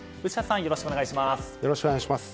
よろしくお願いします。